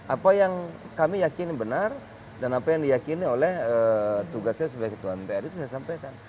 apa yang kami yakini benar dan apa yang diyakini oleh tugasnya sebagai ketua mpr itu saya sampaikan